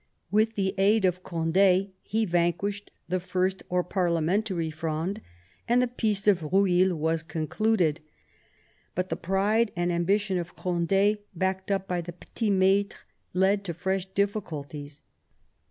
With the aid of Cond^ he vanquished the First or Parliamentary Fronde, and the Peace of Eueil was concluded. But the pride and ambition of Cond^, backed up by the pdits maUres, led to fresh diJfficulties.